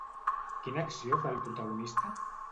Quina acció fa el protagonista?